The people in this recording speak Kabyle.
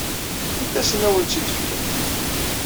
Init-asen ad awen-tt-id-fken.